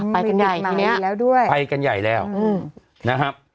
ไปกันใหญ่ทีนี้ไปกันใหญ่แล้วนะครับ